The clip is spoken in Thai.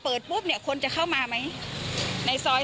เกิดว่าจะต้องมาตั้งโรงพยาบาลสนามตรงนี้